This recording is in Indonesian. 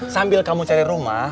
sambil kamu cari rumah